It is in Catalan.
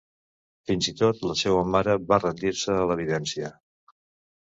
Fins i tot, la seua mare va rendir-se a l'evidència.